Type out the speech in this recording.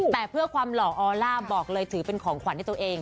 แต่เพื่อความหล่อออลล่าบอกเลยถือเป็นของขวัญให้ตัวเอง